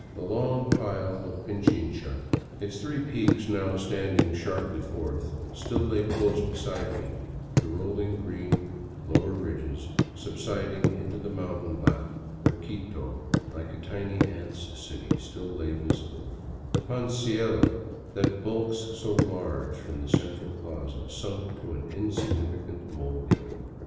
The long pile of Pichincha, its three 167 VAGABONDING DOWN THE ANDES peaks now standing sharply forth, still lay close beside me, the rolling green lower ridges subsiding into the mountain lap where Quito, like a tiny ant's city, still lay visible, the Panecillo that bulks so large from the central plaza sunk to an insignificant mole hill.